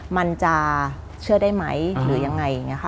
มันจะเชื่อได้ไหมหรือยังไง